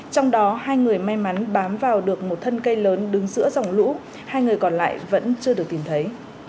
trong đó hai người may mắn bám vào được một thân cây lớn đứng giữa dòng lũ hai người còn lại vẫn chưa được tìm thấy